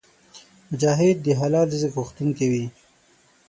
مجاهد د حلال رزق غوښتونکی وي.